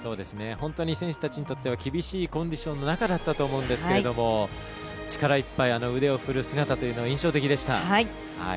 本当に選手たちにとって厳しいコンディションの中だったと思うんですが力いっぱい腕を振る姿というのは印象的でした。